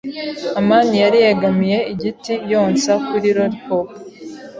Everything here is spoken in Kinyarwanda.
amani yari yegamiye igiti, yonsa kuri lollipop.